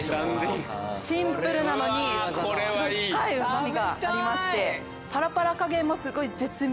シンプルなのに深いうま味がありましてパラパラ加減もすごい絶妙。